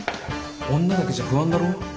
女だけじゃ不安だろう。